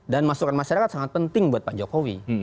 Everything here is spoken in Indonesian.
dan masukan masyarakat sangat penting buat pak jokowi